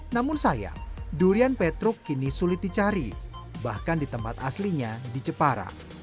namun sayang durian petruk kini sulit dicari bahkan di tempat aslinya di jepara